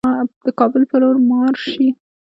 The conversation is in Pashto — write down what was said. کابل پر لور مارش شي.